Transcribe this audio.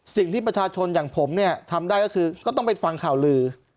สิ่งที่ประชาชนอย่างผมเนี่ยทำได้ก็คือก็ต้องไปฟังข่าวลือ